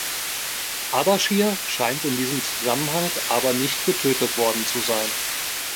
Ardaschir scheint in diesem Zusammenhang aber nicht getötet worden zu sein.